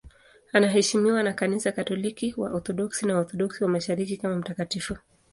Anaheshimiwa na Kanisa Katoliki, Waorthodoksi na Waorthodoksi wa Mashariki kama mtakatifu.